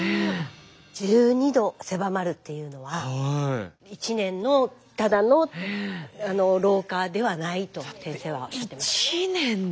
１２度狭まるっていうのは１年のただの老化ではないと先生は。